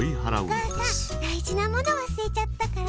お母さん大事なもの忘れちゃったから。